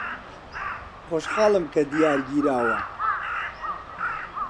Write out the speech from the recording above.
خۆشحاڵم کە دیار گیراوە.